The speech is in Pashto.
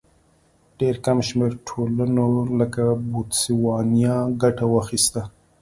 ډېر کم شمېر ټولنو لکه بوتسوانیا ګټه واخیسته.